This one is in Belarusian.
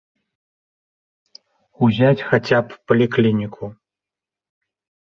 Узяць хаця б паліклініку.